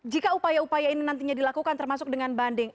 jika upaya upaya ini nantinya dilakukan termasuk dengan banding